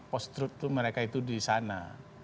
postrut mereka itu disana